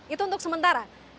itu untuk sementara